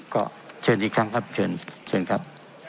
ก็เชิญอีกครั้งครับ